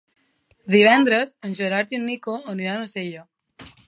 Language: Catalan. Divendres en Gerard i en Nico aniran a Sella.